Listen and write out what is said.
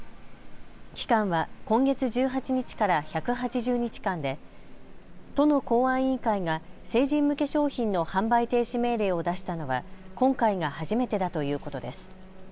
期間は今月１８日から１８０日間で都の公安委員会が成人向け商品の販売停止命令を出したのは今回が初めてだということです。